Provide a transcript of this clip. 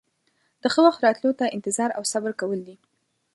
د ښه وخت راتلو ته انتظار او صبر کول دي.